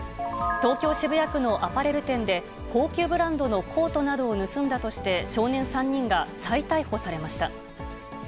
東京・渋谷区のアパレル店で、高級ブランドのコートなどを盗んだとして、少年３人が再逮捕されました。